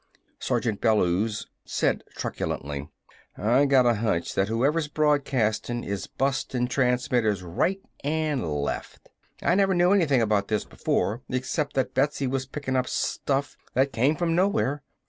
Sergeant Bellews said truculently: "I got a hunch that whoever's broadcastin' is busting transmitters right an' left. I never knew anything about this before, except that Betsy was pickin' up stuff that came from nowhere.